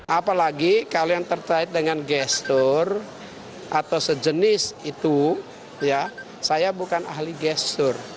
apalagi kalian terkait dengan gestur atau sejenis itu saya bukan ahli gestur